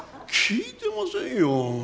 聞いてませんよ！